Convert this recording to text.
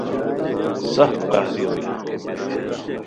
سخت قہری ہوئے